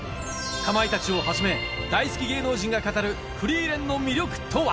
かまいたちをはじめ大好き芸能人が語る『フリーレン』の魅力とは？